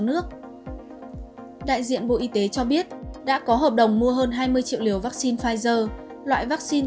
nước đại diện bộ y tế cho biết đã có hợp đồng mua hơn hai mươi triệu liều vaccine pfizer loại vaccine